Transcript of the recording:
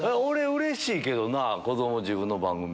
うれしいけどな子供自分の番組。